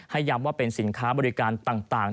ย้ำว่าเป็นสินค้าบริการต่าง